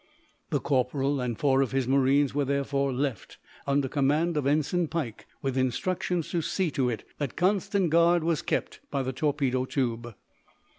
The corporal and four of his marines were therefore left under command of Ensign Pike, with instructions to see to it that constant guard was kept by the torpedo tube.